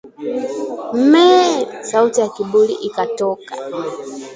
Meeh! Sauti ya kibuli ikatoka